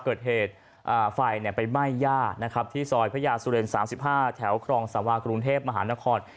เกิดเหตุไฟไปไหม้ญาติที่ซอยพระยาชาสุเรนทร์๓๕แถวครองสาวากรุงเทพย์มหานคร